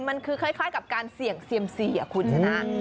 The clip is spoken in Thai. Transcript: มันคือคล้ายกับการเสี่ยงเซียมซีคุณชนะ